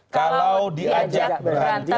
kalau diajak berhenti